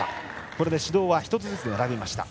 これで指導は１つずつで並びました。